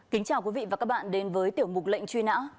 kính chào quý vị và các bạn đến với tiểu mục lệnh truy nã